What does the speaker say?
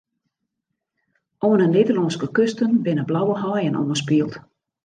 Oan 'e Nederlânske kusten binne blauwe haaien oanspield.